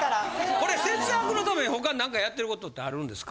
これ節約のために他なんかやってることってあるんですか？